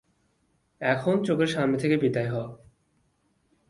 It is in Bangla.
এখন চোখের সামনে থেকে বিদেয় হ।